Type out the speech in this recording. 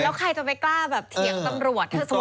แล้วใครจะไปกล้าแบบเถียงตำรวจ